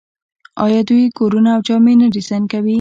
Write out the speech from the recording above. آیا دوی کورونه او جامې نه ډیزاین کوي؟